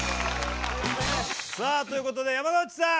さあということで山之内さん！